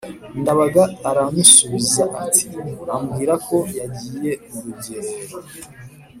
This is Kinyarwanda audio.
Ndabaga aranusubiza ati ambwira ko yagiye mu rugerero,